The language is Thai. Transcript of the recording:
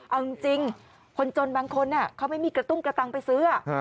เอาจริงคนจนบางคนเขาไม่มีกระตุ้งกระตังไปซื้อ